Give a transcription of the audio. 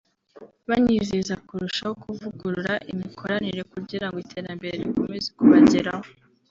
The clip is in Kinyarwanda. banizeza kurushaho kuvugurura imikoranire kugira ngo iterambere rikomeze kubageraho